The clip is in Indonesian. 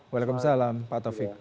waalaikumsalam pak taufik